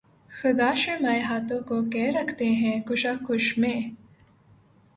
خدا شرمائے ہاتھوں کو کہ رکھتے ہیں کشاکش میں